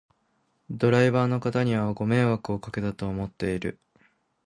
ドライバーの方にはご迷惑をかけたと思っている